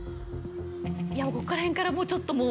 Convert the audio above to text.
いやここら辺からちょっともう。